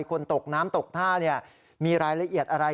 คนตกน้ำตกท่ามีรายละเอียดอะไร